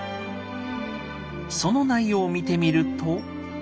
その内容を見てみると。